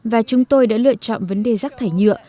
và chúng tôi đã lựa chọn vấn đề rác thải nhựa